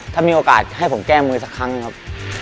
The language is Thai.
ถ้ามีโอกาสให้ผมแก้มือสักครั้งครับ